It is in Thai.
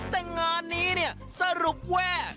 แต่งานนี้เนี่ยสรุปว่า